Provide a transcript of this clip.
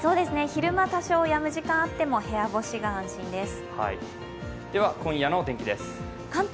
昼間多少やむ時間があっても部屋干しが安心です。